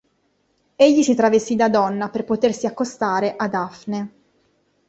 Egli si travestì da donna per potersi accostare a Dafne.